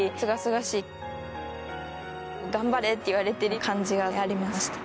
「がんばれ」って言われてる感じがありました。